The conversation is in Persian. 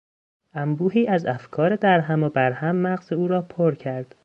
انبوهی از افکار در هم و بر هم مغز او را پر کرد.